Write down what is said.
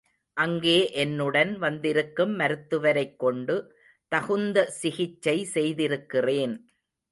அங்கே என்னுடன் வந்திருக்கும் மருத்துவரைக் கொண்டு தகுந்த சிகிச்சை செய்திருக்கிறேன்.